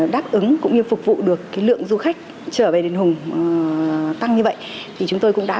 đáp ứng cũng như phục vụ được lượng du khách trở về đền hùng tăng như vậy thì chúng tôi cũng đã